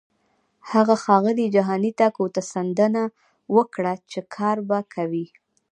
هغه ښاغلي جهاني ته کوتڅنډنه وکړه چې کار به کوي.